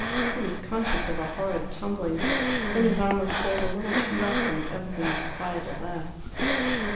He was conscious of a horrid tumbling. Then his arm was pulled a little too roughly, and everything was quiet at last.